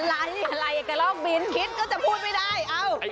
อะไรอ่ะกะโรกบินคิดก็จะพูดไม่ได้เอ้า